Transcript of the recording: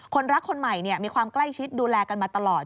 คนรักคนใหม่มีความใกล้ชิดดูแลกันมาตลอด